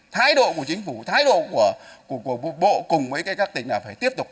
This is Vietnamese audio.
thái độ của chính phủ thái độ của bộ cùng với các tỉnh là phải tiếp tục